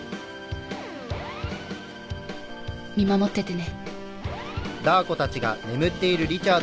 見守っててね。